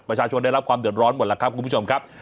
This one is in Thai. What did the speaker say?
ประชาชนได้รับความเดือดร้อนหมดแล้วครับคุณผู้ชมครับ